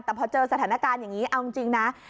แต่พอเจอสถานการณ์อย่างนี้เอาจริงนะ